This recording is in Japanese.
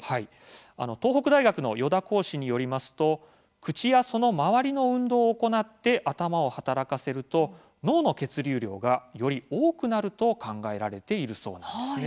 東北大学の依田講師によりますと口や、その周りの運動を行って頭を働かせると脳の血流量が、より多くなると考えられているそうです。